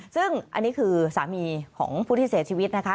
ซึ่งอันนี้คือสามีของผู้ที่เสียชีวิตนะคะ